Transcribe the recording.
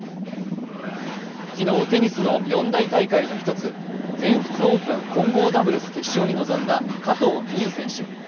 昨日、テニスの四大大会の１つ、全仏オープン混合ダブルス決勝に臨んだ加藤未唯選手。